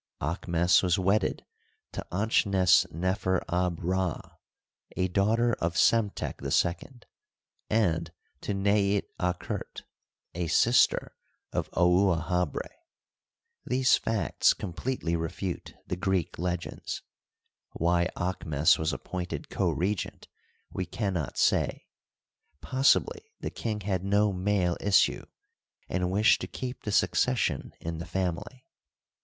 Aanmes was wedded to Anchftes nefer'ab Rd, a daughter of Psem tek II, and to Neit ^ert, a sister of Ou2mabr§. These facts completely refute the Greek legends. Why Aahmes was appointed co regent we can not say ; possibly the king had no male issue, and wished to keep the succession in the family.